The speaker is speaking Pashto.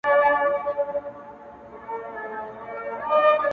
شراب لس خُمه راکړه!! غم په سېلاب راکه!!